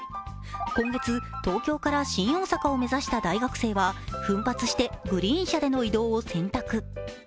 今月、東京から新大阪を目指した大学生は奮発してグリーン車での移動を選択。